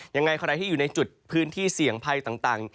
ยังไงเค้าที่อยู่ในจุดพื้นที่เสี่ยงไพต่างต่าง